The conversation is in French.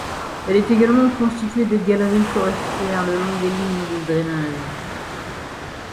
Elle est également constituée de galeries forestières le long des lignes de drainage.